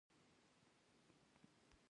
بيا هماغه حرکتيان په ولسوالۍ کښې دېره وو.